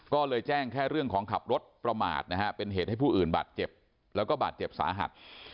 ก็เลยแจ้งแค่เรื่องของขับรถประมาทนะฮะเป็นเหตุให้ผู้อื่นบาดเจ็บแล้วก็บาดเจ็บสาหัส